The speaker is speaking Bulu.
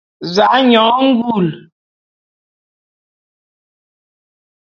Za'a nyone ngule.